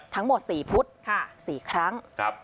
ทั้งหมด๔พุธ๔ครั้ง